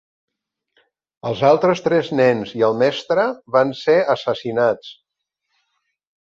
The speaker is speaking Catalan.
Els altres tres nens i el mestre van ser assassinats.